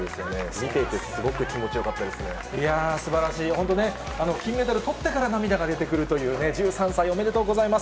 見ていてすごく気持ちよかったでいやぁ、すばらしい、本当ね、金メダルとってから、涙が出てくるというね、１３歳おめでとうございます。